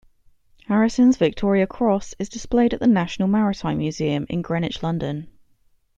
Harrison's Victoria Cross is displayed at the National Maritime Museum in Greenwich, London.